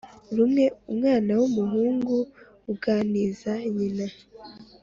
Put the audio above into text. rumwe umwana wumuhungu uganiza nyina